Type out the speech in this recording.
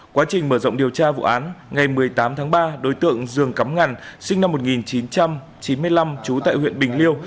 quá trình mở rộng điều tra vụ án ngày một mươi tám tháng ba đối tượng dương cắm ngàn sinh năm một nghìn chín trăm chín mươi năm trú tại huyện bình liêu